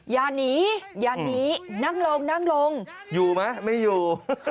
อย่านีอย่านีนั่งลงอยู่มั้ยไม่อยู่